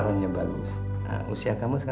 rp seratus juta untuk pia